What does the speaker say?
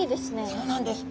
そうなんです。